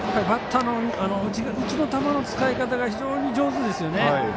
バッターの内の球の使い方が非常に上手ですよね。